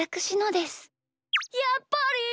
やっぱり！？